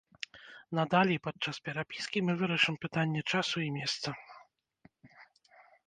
Надалей падчас перапіскі мы вырашым пытанне часу і месца.